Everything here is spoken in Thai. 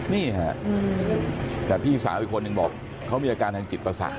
นี่แหละแต่พี่สาวอีกคนหนึ่งบอกเขามีอาการทางจิตภาษา